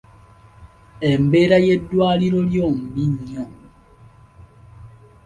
Embeera y'eddwaliro lyo mbi nnyo.